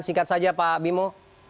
singkat saja pak bimo